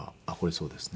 そうですね。